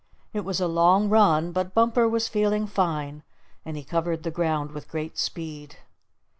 It was a long run, but Bumper was feeling fine, and he covered the ground with great speed.